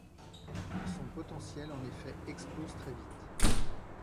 Son potentiel en effet explose très vite.